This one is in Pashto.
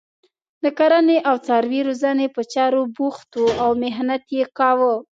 د کرنې او څاروي روزنې په چارو بوخت وو او محنت یې کاوه.